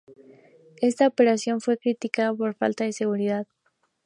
Esta operación fue criticada por falta de seguridad.